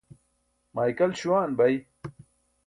Maykal śuwan bay